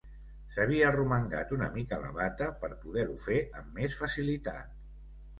S'havia arromangat una mica la bata per poder-ho fer amb més facilitat.